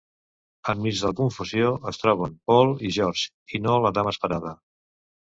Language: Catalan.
Enmig de la confusió, es troben Paul i Georges, i no la dama esperada.